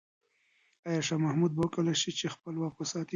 آیا شاه محمود به وکولای شي چې خپل واک وساتي؟